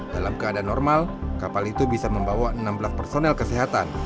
dalam keadaan normal kapal itu bisa membawa enam belas personel kesehatan